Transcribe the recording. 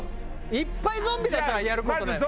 いっぱいゾンビだったらやる事ない。